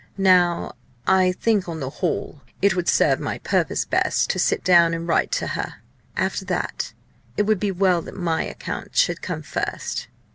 "Now I think on the whole it would serve my purpose best to sit down and write to her after that. It would be well that my account should come first."